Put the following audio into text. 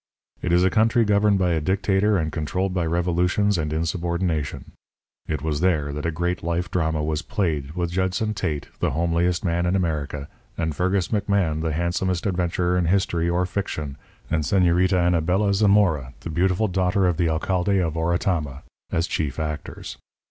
It is a country governed by a dictator and controlled by revolutions and insubordination. It was there that a great life drama was played, with Judson Tate, the homeliest man in America, and Fergus McMahan, the handsomest adventurer in history or fiction, and Señorita Anabela Zamora, the beautiful daughter of the alcalde of Oratama, as chief actors.